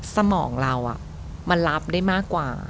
สมองเรามันรับได้มากกว่า